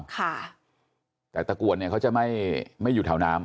ค่ะแต่ตะกรวดเนี่ยเขาจะไม่ไม่อยู่แถวน้ำ